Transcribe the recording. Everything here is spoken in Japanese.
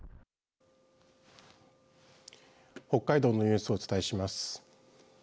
北海道のニュースをお伝えします。